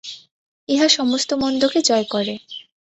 ইহা সমস্ত মন্দকে জয় করে।